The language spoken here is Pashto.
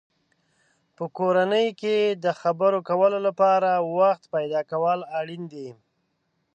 په کورنۍ کې د خبرو کولو لپاره وخت پیدا کول اړین دی.